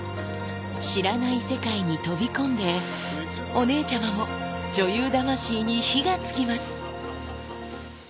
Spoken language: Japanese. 知らない世界に飛び込んで、お姉ちゃまも女優魂に火がつきます。